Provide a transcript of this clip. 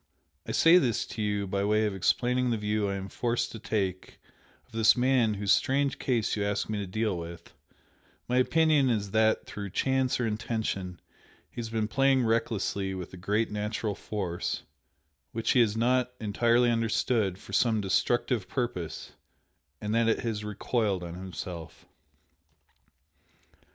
I say this to you by way of explaining the view I am forced to take of this man whose strange case you ask me to deal with, my opinion is that through chance or intention he has been playing recklessly with a great natural force, which he has not entirely understood, for some destructive purpose, and that it has recoiled on himself."